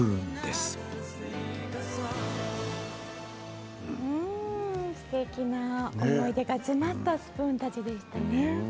すてきな思い出が詰まったスプーンたちでしたね。